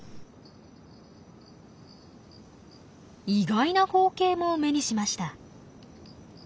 意外な光景も目にしました。